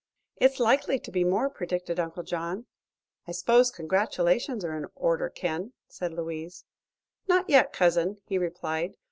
"It's likely to be more," predicted Uncle John. "I suppose congratulations are in order, Ken," said Louise. "Not yet, cousin," he replied.